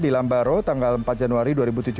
di lambaro tanggal empat januari dua ribu tujuh belas